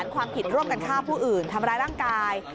ความผิดร่วมกันฆ่าผู้อื่นทำร้ายร่างกาย